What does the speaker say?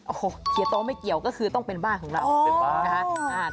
โอ้โหเขียนโต๊ะไม่เกี่ยวก็คือต้องเป็นบ้านของเรา